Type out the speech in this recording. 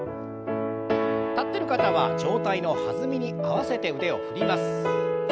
立ってる方は上体の弾みに合わせて腕を振ります。